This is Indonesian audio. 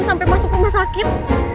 sampai masuk rumah sakit